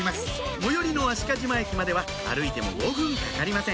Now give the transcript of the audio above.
最寄りの海鹿島駅までは歩いても５分かかりません